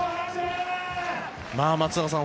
松坂さん